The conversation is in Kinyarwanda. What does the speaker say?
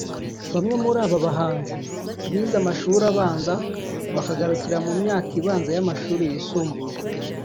Bamwe muri aba bahanzi bize amashuri abanza bakagarukira mu myaka ibanza y’amashuri yisumbuye